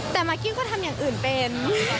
แต่มากกี้ก็ทำอย่างอื่นเป็น